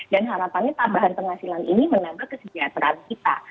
dan harapannya tambahan penghasilan ini menambah kesejahteraan kita